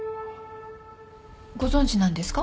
ご存じなんですか？